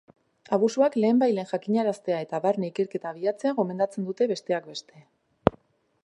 Abusuak lehenbailehen jakinaraztea eta barne ikerketa abiatzea gomendatzen dute, besteak beste.